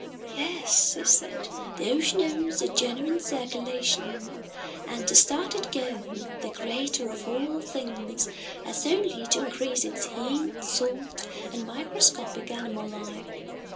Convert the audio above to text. "Yes," he said, "the ocean owns a genuine circulation, and to start it going, the Creator of All Things has only to increase its heat, salt, and microscopic animal life.